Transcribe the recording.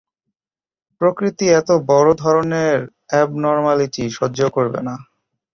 প্রকৃতি এত বড় ধরনের অ্যাবনর্ম্যালিটি সহ্য করবে না।